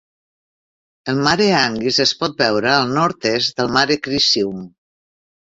El Mare Anguis es pot veure al nord-est del Mare Crisium.